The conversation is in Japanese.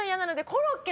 「コロッケ」！